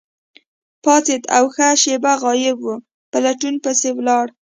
پاڅید او ښه شیبه غایب وو، په لټون پسې ولاړ.